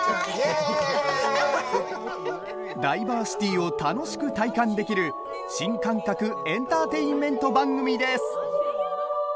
ダイバーシティを楽しく体感できる、新感覚エンターテインメント番組です。